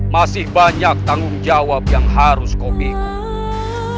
masih banyak tanggung jawab yang harus kau pikir